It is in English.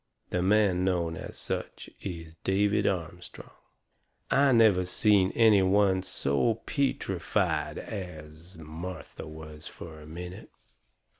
The man known as such is David Armstrong!" I never seen any one so peetrified as Martha was fur a minute.